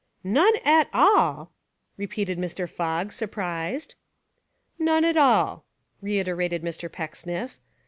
"None at all!" repeated Mr. Fogg, sur prised. "None at all," reiterated Mr. Pecksniff.